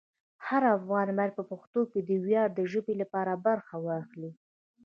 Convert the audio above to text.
هر افغان باید په پښتو کې د ویاړ د ژبې لپاره برخه واخلي.